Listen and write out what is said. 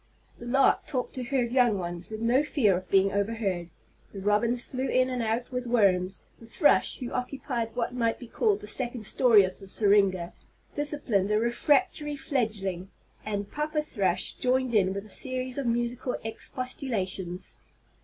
The lark talked to her young ones with no fear of being overheard; the robins flew in and out with worms; the thrush, who occupied what might be called the second story of the syringa, disciplined a refractory fledgling, and papa thrush joined in with a series of musical expostulations.